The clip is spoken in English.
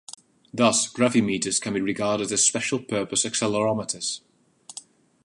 Thus, gravimeters can be regarded as special-purpose accelerometers.